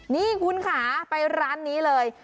นี่คุณค่ะไปร้านนี้เลย